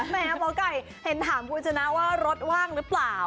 หมอไก่เห็นถามคุณชนะว่ารถว่างหรือเปล่า